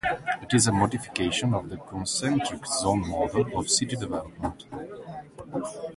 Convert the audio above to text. It is a modification of the concentric zone model of city development.